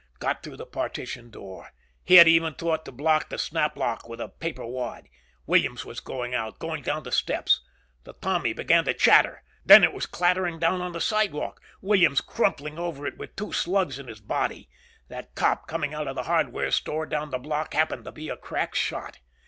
Got through the partition door; he had even thought to block the snap lock with a paper wad. Williams was out, going down the steps. The Tommy began to chatter. Then it was clattering down on the sidewalk, Williams crumpling over it with two slugs in his body. That cop coming out of the hardware store down the block happened to be a crack shot.